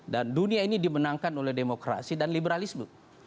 dan dunia ini dimenangkan oleh demokrasi dan liberalisme